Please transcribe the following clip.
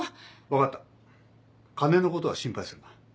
分かった金のことは心配するな。